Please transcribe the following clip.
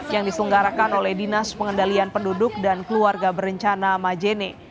yang diselenggarakan oleh dinas pengendalian penduduk dan keluarga berencana majene